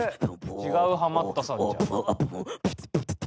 違うハマったさんじゃん。